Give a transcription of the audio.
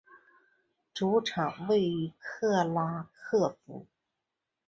主场位于克拉科夫。